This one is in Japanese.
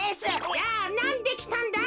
じゃあなんできたんだ？